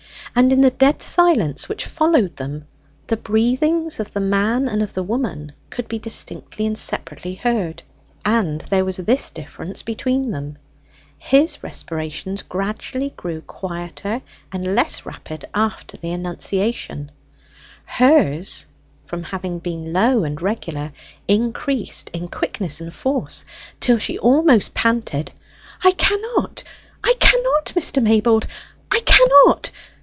And in the dead silence which followed them, the breathings of the man and of the woman could be distinctly and separately heard; and there was this difference between them his respirations gradually grew quieter and less rapid after the enunciation, hers, from having been low and regular, increased in quickness and force, till she almost panted. "I cannot, I cannot, Mr. Maybold I cannot!